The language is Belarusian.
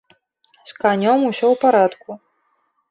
З канём усё ў парадку.